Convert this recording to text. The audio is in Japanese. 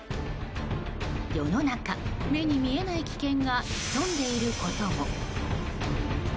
世の中、目に見えない危険が潜んでいることも。